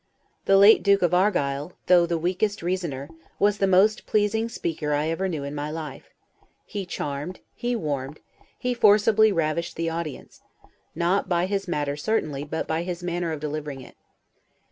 The late Duke of Argyle, though the weakest reasoner, was the most pleasing speaker I ever knew in my life. He charmed, he warmed, he forcibly ravished the audience; not by his matter certainly, but by his manner of delivering it.